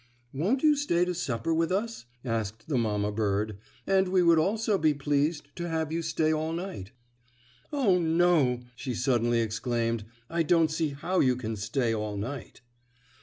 "Won't you stay to supper with us?" asked the mamma bird, "and we would also be pleased to have you stay all night. Oh, no!" she suddenly exclaimed. "I don't see how you can stay all night."